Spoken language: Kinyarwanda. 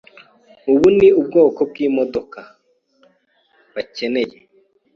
Ubu ni ubwoko bwimodoka I. bakeneye.